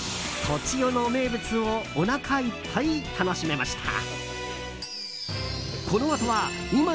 栃尾の名物をおなかいっぱい楽しめました。